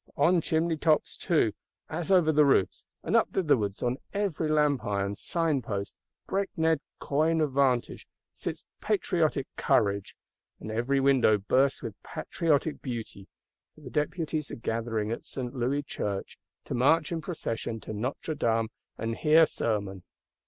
For on chimney tops too, as over the roofs, and up thitherwards on every lamp iron, sign post, breakneck coign of vantage, sits patriotic Courage; and every window bursts with patriotic Beauty: for the Deputies are gathering at St. Louis Church; to march in procession to Notre Dame, and hear sermon.